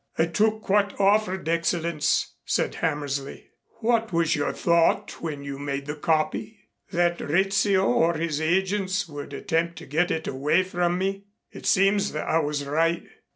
"I took what offered, Excellenz," said Hammersley. "What was your thought when you made the copy?" "That Rizzio or his agents would attempt to get it away from me. It seems that I was right."